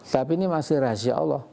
tapi ini masih rahasia allah